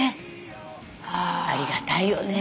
ありがたいよね。